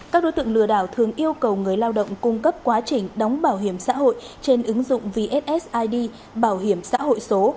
các đối tượng lừa đảo thường yêu cầu người lao động cung cấp quá trình đóng bảo hiểm xã hội trên ứng dụng vssid bảo hiểm xã hội số